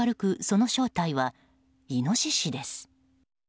その正体はイノシシです。